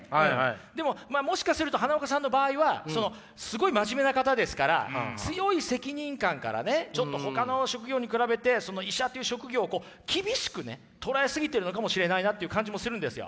でももしかすると花岡さんの場合はそのすごい真面目な方ですから強い責任感からねちょっとほかの職業に比べてその医者という職業をこう厳しくね捉え過ぎてるのかもしれないなという感じもするんですよ。